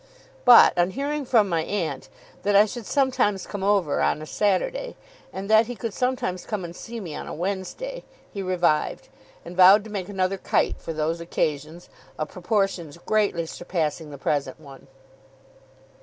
But, on hearing from my aunt that I should sometimes come over on a Saturday, and that he could sometimes come and see me on a Wednesday, he revived; and vowed to make another kite for those occasions, of proportions greatly surpassing the present one.